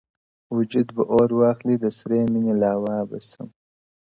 وجود به اور واخلي د سرې ميني لاوا به سم